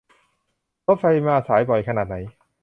รถไฟมาสายบ่อยขนาดไหน